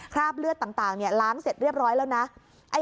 คราบเลือดต่างล้างเสร็จเรียบร้อยแล้วนะ